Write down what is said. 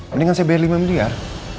mendingan saya bayar lima miliar